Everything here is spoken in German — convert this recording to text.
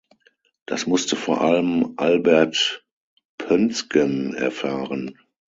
Das musste vor allem Albert Poensgen erfahren.